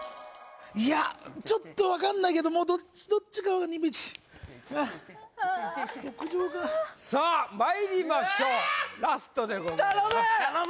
いやちょっとわかんないけどもうどっちどっちかにさあまいりましょうラストでございます頼む！